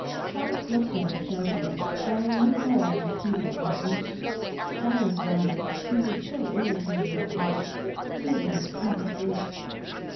Hawkes looked at him sharply. "Alan, you know all these people, don't you?" Alan nodded. He was still irritated at Hawkes; he had been sound asleep.